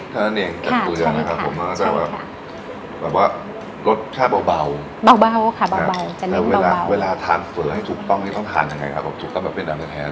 ถูกต้องเป็นอันแท้โดย